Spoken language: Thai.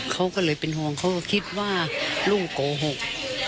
เขาก็เลยเป็นห่วงเขาก็คิดว่าลูกโกหก